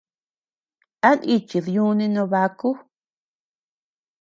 ¿A nichid yúni nabaku?